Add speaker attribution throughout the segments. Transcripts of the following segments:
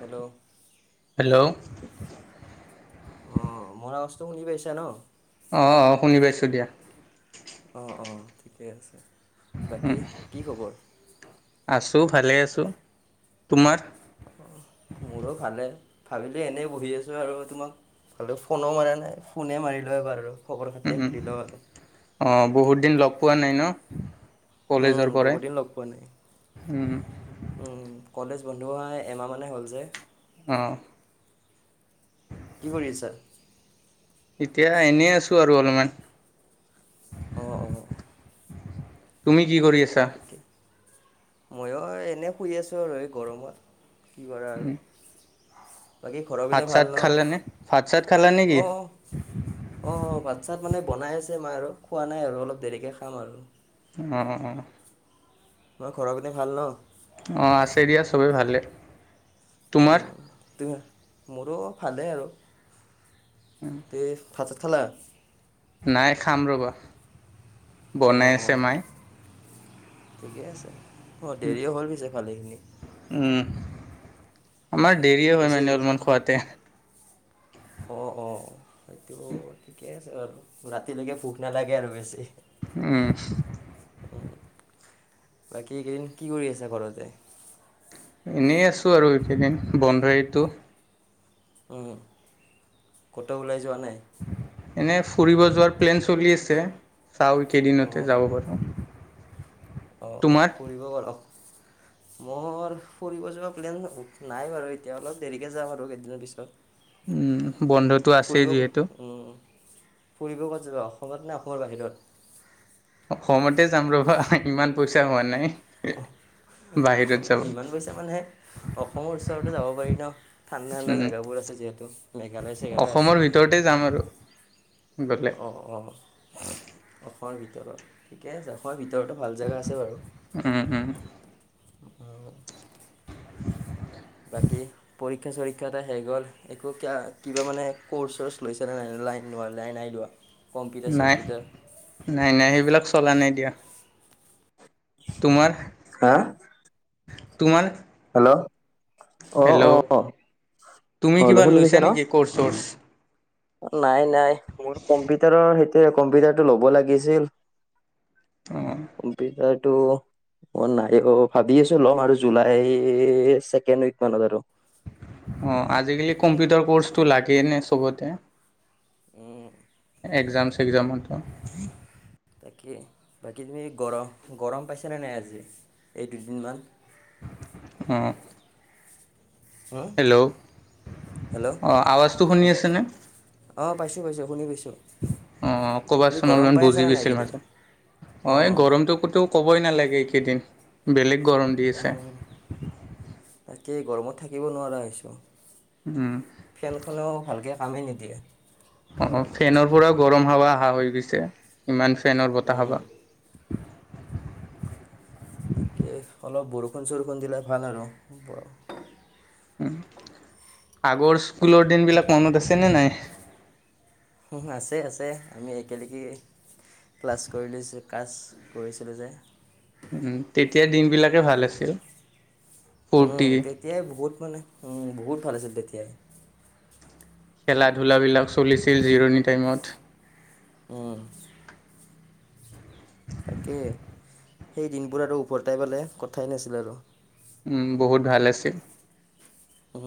Speaker 1: Hello
Speaker 2: hello
Speaker 1: অ', মৰ আৱাজটো শুনি পাইছা ন
Speaker 2: অ', - অ', শুনি পাইছো দিয়া।
Speaker 1: অ', - অ', ঠিকেই আছে বাকী কি খবৰ?
Speaker 2: আছোঁ ভালে আছোঁ তোমাৰ?
Speaker 1: মোৰো ভালে ভাবিলো এনেই বহি আছো আৰু তোমাক বোলো ফোনো মাৰা নাই ফোনে মাৰি লও এবাৰ আৰু খবৰ খাতিয়ে সুধি লওঁ আৰু
Speaker 2: অ', বহুত দিন লগ পোৱা নাই ন কলেজৰ
Speaker 1: উম
Speaker 2: পৰাই
Speaker 1: বহুত দিন লগ পোৱা নাই
Speaker 2: উম
Speaker 1: উম কলেজ বন্ধু হোৱা এমাহমানে হ'ল যে
Speaker 2: অ',
Speaker 1: কি কৰি আছা?
Speaker 2: এতিয়া এনেই আছো আৰু অলপমান
Speaker 1: অ', -অ',
Speaker 2: তুমি কি কৰি আছা?
Speaker 1: ময়ো এনেই শুই আছোঁ আৰু এই গৰমত কি কৰা আৰু বাকী ঘৰহ পিনে
Speaker 2: ভাত
Speaker 1: ভাল
Speaker 2: চাত
Speaker 1: ন',
Speaker 2: খালানে ভাত চাত খালা নেকি
Speaker 1: অ', -অ', ভাল। ভাত চাত মানে বনাই আছে মই আৰু খোৱা নাই আৰু অলপ দেৰিকে খাম আৰু
Speaker 2: অ', -অ',
Speaker 1: তোমাৰ ঘৰৰপিনে ভাল ন?
Speaker 2: অ', আছে দিয়া সবেই ভালে। তোমাৰ
Speaker 1: মোৰো ভালেই আৰু তে ভাত চাত খালা?
Speaker 2: নাই খাম ৰ'বা
Speaker 1: অঁ
Speaker 2: বনাই
Speaker 1: অঁ
Speaker 2: আছে মায়।
Speaker 1: ঠিকে আছে অ', দেৰিয়ে হ'ল পিছে ভালেখিনি
Speaker 2: উম আমাৰ দেৰিয়েই হয়
Speaker 1: পিছে
Speaker 2: মানে অলপমান খোৱাতে।
Speaker 1: অ', -অ', সেইটো ঠিকে আছে বাৰু ৰাতিলৈকে ভোক নালাগে আৰু বেছি।
Speaker 2: উম
Speaker 1: বাকী এইকেইদিন কি কৰি আছা ঘৰতে?
Speaker 2: এনেই আছো আৰু এইকেইদিন বন্ধইটো
Speaker 1: ক'ত ওলাই যোৱা নাই?
Speaker 2: এনেই ফুৰিব যোৱাৰ প্লেন চলি আছে চাওঁ এইকেইদিনতে যাব পাৰোঁ।
Speaker 1: অ',
Speaker 2: তোমাৰ
Speaker 1: ফুৰিব পাৰ মৰ ফুৰিব যোৱা প্লেন নাই বাৰু এতিয়া অলপ দেৰিকে যাম আৰু কেইদিনৰ পিছত।
Speaker 2: উম বন্ধটো আছেই
Speaker 1: ফুৰিব
Speaker 2: যিহেতু।
Speaker 1: উম, ফুৰিব ক'ত অসমত নে অসমৰ বাহিৰত?
Speaker 2: অসমতে যাম ৰবা ইমান পইচা হোৱা নাই। বাহিৰত যাব
Speaker 1: ইমান পইচা মানে অসমৰ ওচৰতো যাব পাৰি ন, ঠাণ্ডা ঠাণ্ডা
Speaker 2: উম,
Speaker 1: জেগাবোৰ আছে যিহেতু মেঘালয় চেঘালয় আছে।
Speaker 2: এক
Speaker 1: অ' অ' অসমৰ ভিতৰত ঠিকে আছে, অসম ভিতৰত তেওঁতো ভাল জেগা আছে বাৰু।
Speaker 2: উম, উম,
Speaker 1: বাকী পৰীক্ষা চৰীক্ষা টো হৈ গ'ল একো ক কিবা মানে ক'ৰ্চ চৰ্চ লৈছানে নাই? লাইনোৱা লাইন নে লোৱা? কম্পিউটাৰ
Speaker 2: নাই
Speaker 1: চম্পিউটাৰ
Speaker 2: নাই নাই, সেইবিলাক চলা নাই দিয়া। তোমাৰ?
Speaker 1: হা?
Speaker 2: তোমাৰ?
Speaker 1: হেল্ল' আহ
Speaker 2: হেল্ল'
Speaker 1: অ'
Speaker 2: তুমি
Speaker 1: আহল
Speaker 2: কিবা
Speaker 1: শুনি
Speaker 2: লৈছা
Speaker 1: পাইছা ন?
Speaker 2: নেকি ক'ৰ্চ চৰ্চ
Speaker 1: নাই নাই মোৰ কম্পিউটাৰৰ সেইটো কম্পিউটাৰটো ল'ব লাগিছিল।
Speaker 2: আহ।
Speaker 1: মই নাই অ' ভাবি আছো লম আৰু জুলাই। এই চছেকেণ্ড উক মানত আৰু।
Speaker 2: অ' আজিকালি কম্পিউটাৰ কৰ্চটো লাগেই নে চবতে।
Speaker 1: উম।
Speaker 2: এগ্জাম চেগ্জামটো
Speaker 1: তাকেই বাকী তুমি গৰম, গৰম পাইছানে নাই আজি এই দুদিনমান?
Speaker 2: হম।
Speaker 1: হুম
Speaker 2: হেল্ল'
Speaker 1: হেল্ল'
Speaker 2: অ' আৱাজটো শুনি আছেনে?
Speaker 1: পাইছো পাইছো শুনি পাইছো।
Speaker 2: আহ ক'বাচোন অলপমান বুজি
Speaker 1: আছানে নাই
Speaker 2: পাইছা ল
Speaker 1: এইকেইদিন
Speaker 2: মাজে
Speaker 1: অঁ
Speaker 2: অ' এই
Speaker 1: অঁ
Speaker 2: গৰমতটো তোও ক'বই নালাগে। দিন বেলেগ গৰম দি আছে।
Speaker 1: কি গৰমত থাকিব নোৱাৰা হৈছোঁ, ফেনখনেও ভালকৈ কামেই নিদিয়ে।
Speaker 2: অ'
Speaker 1: গৰমত
Speaker 2: ফেনৰ পৰাও গৰম হাৱা আহা হৈ গৈছে ইমান ফেনৰ বতাহ বাহ
Speaker 1: তাকে অলপ বৰষুণ চৰষুণ দিলে ভাল আৰু বৰ
Speaker 2: উ আগৰ স্কুলৰ দিন বিলাক মনত আছেনে নাই?
Speaker 1: আছে আছে আমি একেলগে ক্লাছ কৰি ক্লাছ কৰিছিলোঁ যে।
Speaker 2: তেতিয়া দিনবিলাকে ভাল আছিল। ফূৰ্তি
Speaker 1: তেতিয়াই বহুত মানে বহুত ভাল আছিল তেতিয়াই।
Speaker 2: খেলা ধূলাবিলাক চলিছিল জিৰণি টাইমত।
Speaker 1: অ'। তাকে সেই দিনবোৰ আৰু উওভৰটাই পালে কথাই নাছিল আৰু।
Speaker 2: উম বহুত ভাল আছিল।
Speaker 1: উ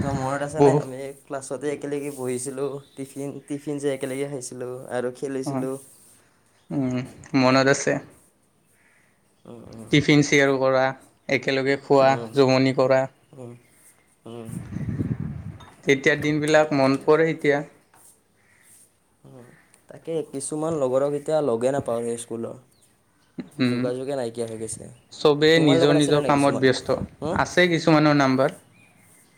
Speaker 1: ত মূৰত আছে নে
Speaker 2: বহু
Speaker 1: আমি ক্াছ তে একেলগে বহিছিলোঁ টিফিন টিফিন যে একেলগে খাইছিলোঁ। আৰু
Speaker 2: অঁ
Speaker 1: খেলিছিলোঁ।
Speaker 2: মনত আছে। টিফিন শ্বেয়াৰ কৰা একেলগে খোৱা
Speaker 1: উম,
Speaker 2: জমনি কৰা।
Speaker 1: উম, উম।
Speaker 2: তেতিয়া দিনবলাক
Speaker 1: ঠিক
Speaker 2: মনত
Speaker 1: আছে।
Speaker 2: পৰে এতিয়া।
Speaker 1: তাকে কিছুমান লগৰক এতিয়া লগে নাপাওঁ সেই স্কুলৰ
Speaker 2: উম
Speaker 1: যোগাযোগে নাইকিয়া হৈ গৈছে
Speaker 2: চবেই
Speaker 1: তোমাৰ
Speaker 2: নিজৰ
Speaker 1: লগত আছেনে
Speaker 2: নিজৰ
Speaker 1: নাই
Speaker 2: কামত
Speaker 1: কিছুমান?
Speaker 2: ব্যস্ত
Speaker 1: হম,
Speaker 2: আছে কিছুমানৰ নাম্বাৰ
Speaker 1: [unintelligible]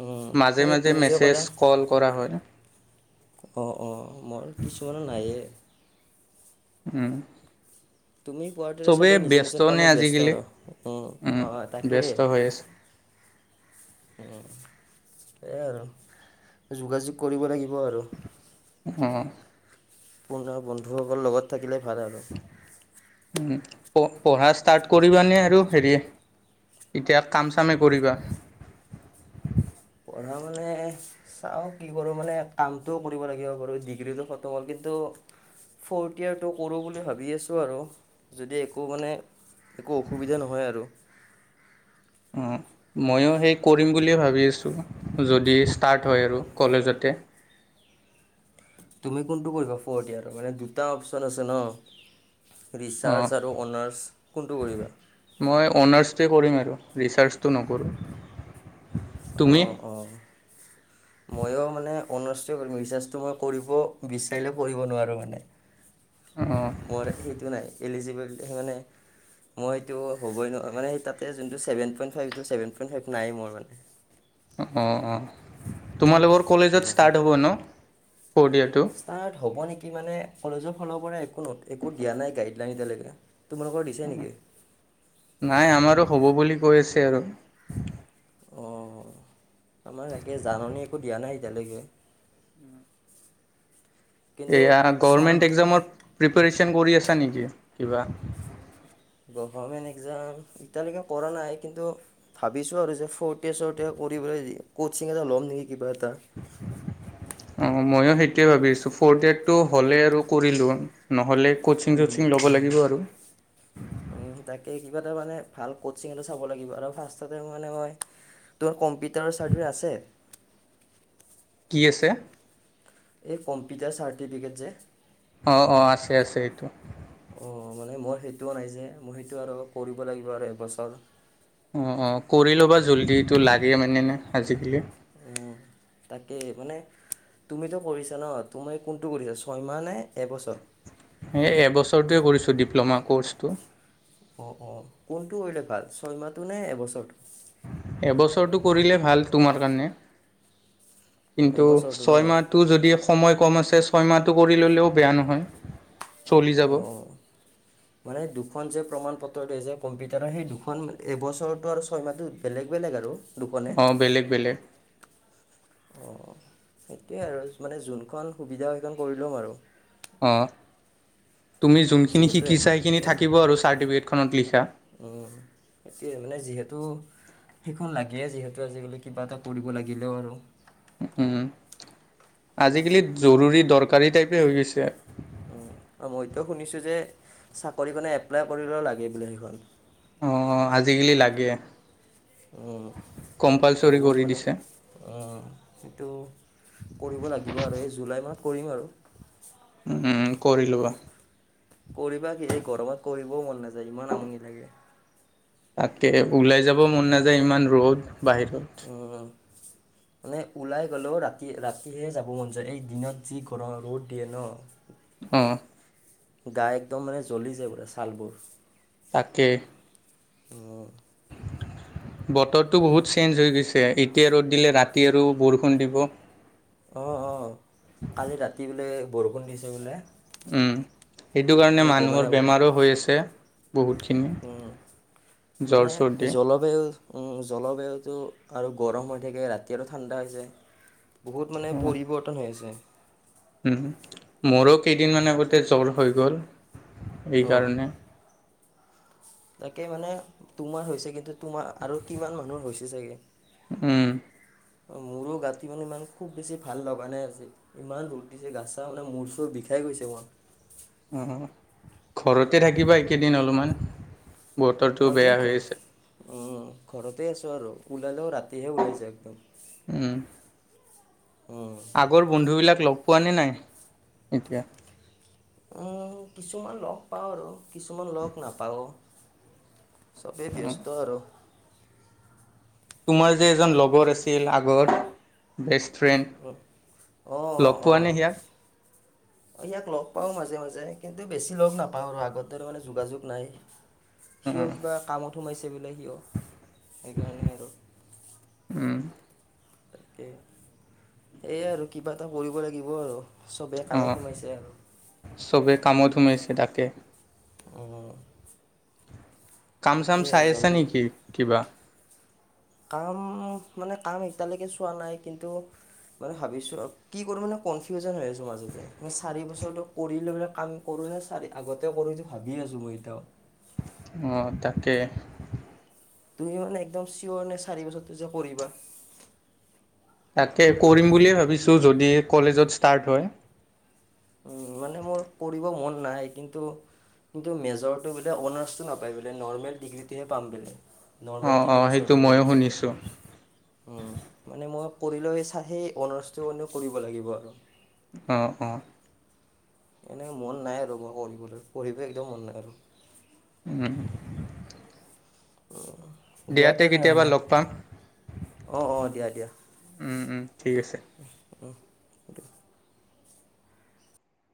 Speaker 1: উম,
Speaker 2: মাজে
Speaker 1: সেই
Speaker 2: মাজে
Speaker 1: তুমি
Speaker 2: মেছেজ কল কৰা হয়
Speaker 1: অঁ অঁ মোৰ কিছুমানৰ নায়েই
Speaker 2: উম
Speaker 1: তুমি কোৱাৰ দৰে
Speaker 2: চবেই
Speaker 1: সবেই নিজৰ নিজৰ
Speaker 2: ব্যস্তনে
Speaker 1: কামত ব্যস্ত
Speaker 2: আজিকালি
Speaker 1: আৰু উম অ তাকেই
Speaker 2: ব্যস্ত হৈ আছে
Speaker 1: ওম সেয়াই আৰু যোগাযোগ কৰিব লাগিব আৰু
Speaker 2: অ
Speaker 1: পোৱণা বন্ধুসকল লগত থাকিলে ভাল আৰু
Speaker 2: প পঢ়া ষ্টাৰ্ট কৰিবানে আৰু হেৰি এতিয়া কাম চামে কৰিবা
Speaker 1: [unintelligible] পঢ়া মানে চাওঁ কি কৰোঁ মানে কামটোও কৰিব লাগিব বাৰু ডিগ্ৰীটো ফতম হ'ল কিন্তু ফ'ৰ্থ ইয়েৰটো কৰোঁ বুলি ভাবি আছোঁ আৰু যদি একো মানে একো অসুবিধা নহয় আৰু
Speaker 2: অ ময়ো সেই কৰিম বুলিয়ে ভাবি আছোঁ যদি ষ্টাৰ্ট হয় আৰু কলেজতে
Speaker 1: তুমি কোনটো কৰিবা ফৰ্ত ইয়াৰৰ মানে দুটা অপচন আছে ন
Speaker 2: অঁ
Speaker 1: ৰিচাৰ্চ আৰু অনাৰ্ছ কোনটো কৰিবা
Speaker 2: ৰিচাৰ্জটো নকৰোঁ তুমি
Speaker 1: অঁ অঁ ময়ো মানে অনাচ্ টোৱে কৰিম ৰিচাৰ্জটো মই কৰিব বিচাৰিলেও পঢ়িব নোৱাৰোঁ মানে
Speaker 2: অঁ
Speaker 1: মৰ সেইটো নাই এলিজেবেল সেই মানে মই সেইটো হ'বই নোৱাৰোঁ মানে সেই তাতে যোনটো seven point five seven point five নাই মোৰ মানে
Speaker 2: অঁ অঁ তোমালোকৰ কলেজত
Speaker 1: উম,
Speaker 2: ষ্টাৰ্ট হ'ব ন ফ'ৰ্থ ইয়েৰটো
Speaker 1: ষ্টাৰ্ট হ'ব নেকি মানে কলেজৰ ফালৰ পৰা একো নটি--একো দিয়া নাই গাইডলাইন এতিয়ালেকে
Speaker 2: নাই আমাৰো হ'ব বুলি কৈছে আৰু
Speaker 1: অঁ আমাৰ তাকে জাননী একো দিয়া নাই এতিয়ালেকে
Speaker 2: এয়া গভাৰ্মেণ্ট এক্জামৰ প্ৰিপৰেচন কৰি আছা নিকি কিবা
Speaker 1: গভাৰ্মেন্ট এক্জাম এতিয়ালেকে কৰা নাই কিন্তু ভাবিছো আৰু যে ফৰতে চৰতে দি পেলাই ই কচিং এটা ল'ম নিকি কিবা এটা
Speaker 2: অঁ ময়ো সেইটোৱে ভাবি আছো ফ'ৰ ডেতটো হ'লে আৰু কৰি লম ন নহ'লে ক'চিং
Speaker 1: উম,
Speaker 2: চ'চিং ল'ব লাগিব আৰু
Speaker 1: উম তাকে কিবা এটা মানে ভাল কচিং এটো চাব লাগিব আৰু ফাৰ্ষ্টতে মানে মই তোমাৰ কম্পিউটাৰ চাৰ্টিফে আছে
Speaker 2: কি আছে
Speaker 1: এই কম্পিউটাৰ চাৰ্টিফিকেট যে
Speaker 2: অ অ আছে আছে এইটো
Speaker 1: অ মানে মই সেইটোও নাই যে মই সেইটো আৰু কৰিব লাগিব আৰু এবছৰ
Speaker 2: অ অ কৰি ল'বা জল্দি এটো লাগে মানে নে আজিকালি
Speaker 1: তাকে মানে তুমিতো কৰিছা ন তুমি কোনটো কৰিছা ছয়মাহ নে এবছৰ
Speaker 2: এই এবছৰটোৱে কৰিছোঁ ডিপ্ল'মা ক'ৰ্চটো
Speaker 1: অ অ কোনটো কৰিলে ভাল ছয়মাহটো নে এবছৰটো
Speaker 2: এবছৰটো কৰিলে ভাল তোমাৰ কাৰণে
Speaker 1: অঁ,
Speaker 2: কিন্তু
Speaker 1: এবছৰটো ন
Speaker 2: ছয় মাহটো যদি সময় কম আছে ছয় মাহ কৰি ল'লেও বেয়া নহয় চলি যাব
Speaker 1: অহ' মানে দুখন যে প্ৰমণ পত্ৰ ত' দেই যে কম্পিউটাৰৰ সেই দুখন এইবছৰৰতো আৰু ছয় মাহটো বেলেগ বেলেগ আৰু। দূখনে।
Speaker 2: অঁ বেলেগ বেলেগ
Speaker 1: অহ। সেইটোয়ে আৰু মানে যোনখন সুবিধা সেইখন কৰি লম আৰু।
Speaker 2: অহ' তুমি যোনখিনি
Speaker 1: যিহেতুৱে
Speaker 2: শিকিছা সেইখিনি থাকিব আৰু চাৰ্টিফিকেটখনত লিখা।
Speaker 1: অহ' [unintelligible] মানে যিহেতু সেইখন লাগেই যিহেতু আজিকালি কিবা এটা কৰিব লাগিলেও আৰু।
Speaker 2: উম' আজিকালি জৰুৰী দৰকাৰী টাইপে হৈ গৈছে আৰু।
Speaker 1: মইতো শুনিছো যে চাকৰি কৰণে এপ্লাই কৰিলেও লাগে বোলে সেইখন।
Speaker 2: অহ' আজিকালি লাগে।
Speaker 1: উম'।
Speaker 2: কম্পালচৰি
Speaker 1: বহুত
Speaker 2: কৰি
Speaker 1: মানে
Speaker 2: দিছে
Speaker 1: অহ, সেইটো কৰিব লাগিব আৰু এই জুলাই মাহ কৰিম আৰু।
Speaker 2: উম' কৰি লোৱা।
Speaker 1: কৰিবা কি এই গৰমত কৰিবও মন নাযায় ইমান আমনি লাগে।
Speaker 2: তাতকে ওলাই যাব মন নাযায় ইমান ৰ'দ বাহিৰত।
Speaker 1: উম, মানে ওলাই গ'লেও ৰাতি ৰাতিহে যাব মন যায় এই দিনত যি গৰম ৰ'দ দিয়ে ন।
Speaker 2: হম।
Speaker 1: গাই একদম মানে জ্বলি যায় বো ছালবোৰ।
Speaker 2: তাকে।
Speaker 1: উম'। [unintelligible]
Speaker 2: বতৰটো বহুত চেঞ্চ হৈ গৈছে এতিয়া ৰ'দ দিলে, ৰাতি আৰু বৰষুণ দিব।
Speaker 1: অহ', অহ' কালি ৰাতি বোলে বৰষুণ দিছে বোলে।
Speaker 2: উম' সেইটো কাৰণে
Speaker 1: মই গমেই
Speaker 2: মানুহৰ
Speaker 1: নাপাওঁ
Speaker 2: বেমাৰো হৈ আছে। বহুতখিনি
Speaker 1: উম'
Speaker 2: জ্বৰ
Speaker 1: মানে
Speaker 2: চৰ্দি
Speaker 1: জলবায়ু। উম' জলবায়ুতটো আৰু গৰম হৈ থাকে ৰাতি আৰু ঠাণ্ডা হৈছে। বহুত মানে
Speaker 2: অ',
Speaker 1: পৰিৱৰ্তন হৈ আছে।
Speaker 2: উম' মোৰো কেইদিনমান আগতে জ্বৰ হৈ গ'ল। এই
Speaker 1: অঁ
Speaker 2: কাৰণে।
Speaker 1: তাকে মানে তোমাৰ হৈছে কিন্তু তোমাৰ আৰু কিমান মানুহৰ হৈছে চাগে।
Speaker 2: হম।
Speaker 1: মোৰো গাঁতো মানো ইমান খুব বেছি ভাল লগা নাই আজি, ইমান ৰ'দ দিছে গা ছা মানে মূৰ চুৰ বিষাই। শেষ হৈছে ওৱান।
Speaker 2: উম', উম' ঘৰতে থাকিবা এইকেইদিন অলপমান। বতৰটোও
Speaker 1: অঁ
Speaker 2: বেয়া
Speaker 1: কিন্তু
Speaker 2: হৈ আছে।
Speaker 1: ঘৰতে আছোঁ আৰু, ওলালেও ৰাতিহে ওলাই যা একদম।
Speaker 2: উম,
Speaker 1: উম,
Speaker 2: আগৰ বন্ধুবিলাক লগ পোৱা নে নাই, এতিয়া।
Speaker 1: উম' কিছুমান লগ পাওঁ আৰু কিছুমান লগ নাপাওঁ। চবেই
Speaker 2: অ',
Speaker 1: ব্যস্ত আৰু।
Speaker 2: তোমাৰ যে এজন লগৰ
Speaker 1: এতিয়া।
Speaker 2: আছিল আগৰ বেষ্ট ফ্ৰেন
Speaker 1: উম,
Speaker 2: লগ পোৱা নে সিয়াক।
Speaker 1: অহ' ইয়াক লগ পাওঁ মাজে মাজে, কিন্তু বেছি লগ নাপাওঁ, আৰু আগৰ দৰে মানে যোগাযোগ নাই। সিও
Speaker 2: উম,
Speaker 1: কিবা কামত সোমাইছে বোলে সিও সেইকাৰণে আৰু।
Speaker 2: উম,
Speaker 1: তাকে, সেয়াই আৰু কিবা এটা কৰিব লাগিব আৰু। চবেই কামত
Speaker 2: অহ'
Speaker 1: সোমাইছে আৰু
Speaker 2: চবে কামত সুমাইছে তাকে।
Speaker 1: অহ'।
Speaker 2: কাম চাম চাই আছা
Speaker 1: জল্দি
Speaker 2: নেকি কিবা।
Speaker 1: কাম মানে কাম এতিয়ালৈকে চোৱা নাই, কিন্তু মানে ভাবিছো কি কৰো মানে কনফিজন হৈ আছো মাজতে, চাৰি বছৰটো কৰিলোৱেই কাম কৰ চাৰি আগতে কৰোটো ভাবি আছো মই এতিয়াও
Speaker 2: অঁ তাকে
Speaker 1: তুমি মানে একদম চিয়ৰ নে চাৰি বছৰ যে কৰিবা
Speaker 2: তাকে কৰিম বুলিয়ে ভাবিছোঁ যদি কলেজত ষ্টাৰ্ট হয়
Speaker 1: উম, মানে মোৰ কৰিব মন নাই কিন্তু কিন্তু মেজৰটো বোলে অনাৰ্ছটো নাপায় বোলে নৰ্মেল ডিগ্ৰীটোহে পাম বলে নৰ্মেল
Speaker 2: অঁ
Speaker 1: তিনি
Speaker 2: অঁ
Speaker 1: বছৰ
Speaker 2: সেইটো ময়ো
Speaker 1: দুবৰিলে
Speaker 2: শুনিছোঁ
Speaker 1: মানে মই কৰি লৈ চাই সেই অনাৰ্চটো কৰিব লাগিব আৰু
Speaker 2: অঁ অঁ
Speaker 1: এনেক মন নাই আৰু মই পঢ়িবলৈ পঢ়িব একদম মন নাই আৰু
Speaker 2: উম
Speaker 1: দিয়াতে তেনেহ'লে
Speaker 2: লগ পাম
Speaker 1: অঁ অঁ দিয়া দিয়া
Speaker 2: ঠিক আছে
Speaker 1: দিয়